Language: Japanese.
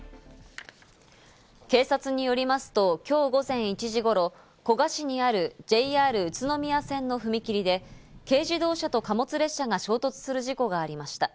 警察によりますと、今日、午前１時頃、古河市にある、ＪＲ宇都宮線の踏切で軽自動車と貨物列車が衝突する事故がありました。